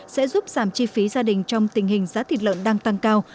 sẽ giúp giảm chi phí gia đình trong tình hình giá thịt lợn đang tăng cao